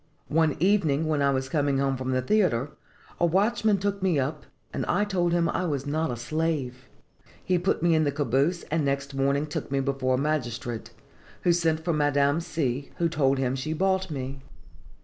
One evening, when I was coming home from the theatre, a watchman took me up, and I told him I was not a slave. He put me in the calaboose, and next morning took me before a magistrate, who sent for Madame C., who told him she bought me.